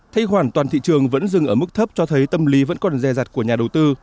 thay khoản toàn thị trường vẫn dừng ở mức thấp cho thấy tâm lý vẫn còn dè dạt của nhà đầu tư